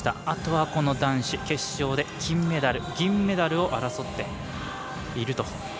あとは、男子決勝で金メダル、銀メダルを争っていると。